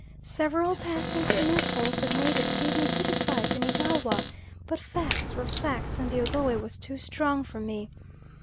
Several passing canoefuls of natives gave me good advice in Igalwa; but facts were facts, and the Ogowe was too strong for me.